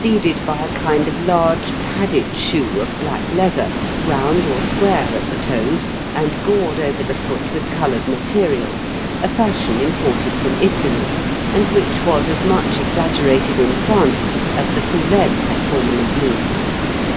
The shoes with poulaines were superseded by a kind of large padded shoe of black leather, round or square at the toes, and gored over the foot with coloured material, a fashion imported from Italy, and which was as much exaggerated in France as the poulaine had formerly been.